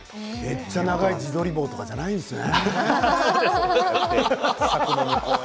めっちゃ長い自撮り棒とかじゃないんですね。